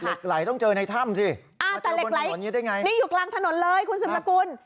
เหล็กไหล่ต้องเจอในถ้ำสิอยู่กลางถนนเลยคุณสิบละกุล